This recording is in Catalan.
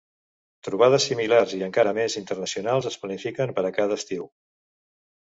Trobades similars i encara més internacionals es planifiquen per a cada estiu.